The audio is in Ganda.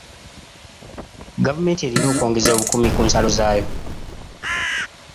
Gavumenti erina okwongeza obukuumi ku nsalo zaayo.